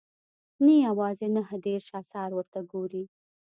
نه یوازې نهه دېرش اثار ورته ګوري.